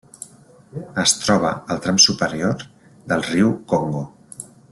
Es troba al tram superior del riu Congo.